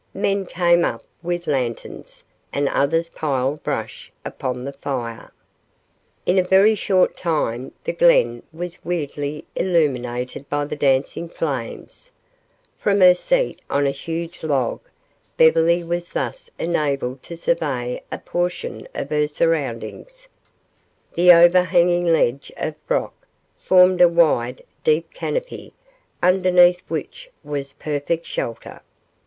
Men came up with lanterns and others piled brush upon the fire. In a very short time the glen was weirdly illuminated by the dancing flames. From her seat on a huge log, Beverly was thus enabled to survey a portion of her surroundings. The overhanging ledge of rock formed a wide, deep canopy, underneath which was perfect shelter.